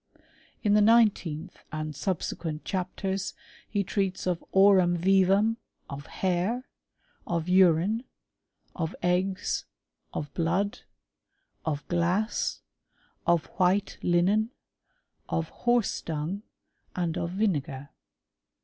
In the nineteenth and subsequent chapters he treats of aurum vivum, of hair, of urine, rf^ eggs, of blood, of glass, of white linen, of horse dung, and of vinegar.